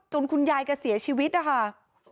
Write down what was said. คุณยายแกเสียชีวิตนะคะ